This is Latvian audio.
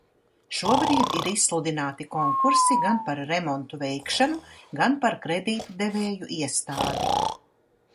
Šobrīd ir izsludināti konkursi gan par remontu veikšanu, gan par kredītdevēju iestādi.